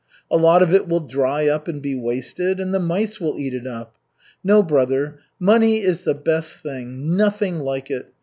A lot of it will dry up, and be wasted, and the mice will eat it up. No, brother, money is the best thing nothing like it!